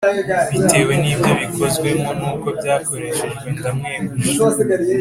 bitewe n ibyo bikozwemo n uko byakoreshejwe ndamweguje